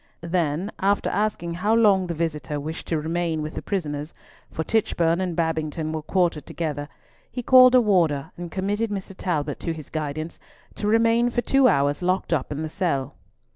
Then, after asking how long the visitor wished to remain with the prisoners—for Tichborne and Babington were quartered together—he called a warder and committed Mr. Talbot to his guidance, to remain for two hours locked up in the cell.